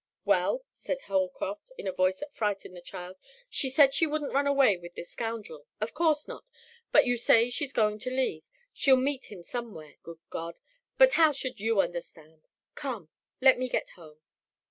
"Well," said Holcroft, in a voice that frightened the child, "she said she wouldn't run away with this scoundrel of course not but you say she's going to leave. She'll meet him somewhere good God! But how should you understand? Come, let me get home!"